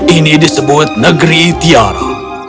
ini disebut negeri tiara